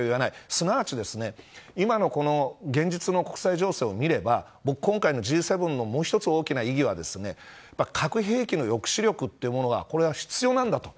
すなわち今の現実の国際情勢を見れば今回のＧ７の大きな意義は核兵器の抑止力というものは必要なんだと。